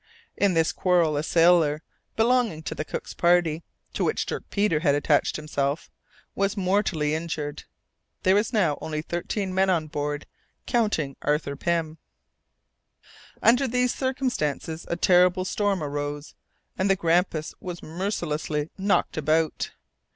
In this quarrel a sailor belonging to the cook's party, to which Dirk Peters had attached himself, was mortally injured. There were now only thirteen men on board, counting Arthur Pym. Under these circumstances a terrible storm arose, and the Grampus was mercilessly knocked about.